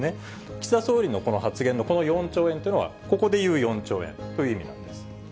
岸田総理のこの発言のこの４兆円というのは、ここでいう４兆円という意味なんです。